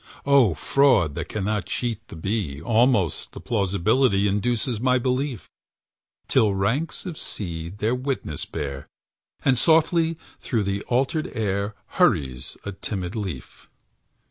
Oh, fraud that cannot cheat the bee, Almost thy plausibility Induces my belief, Till ranks of seeds their witness bear, And softly through the altered air Hurries a timid leaf!